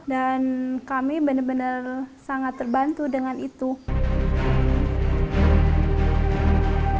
dan kami benar benar sangat berterima kasih kepada ibu eni dan bapak lugi